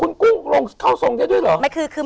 คุณกุ้งเขาส่งได้ด้วยเหรอ